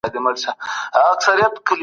خلک د ونو پوټکي په تول وپلورل.